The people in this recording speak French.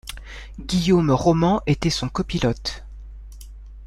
Guillaume Roman était son copilote.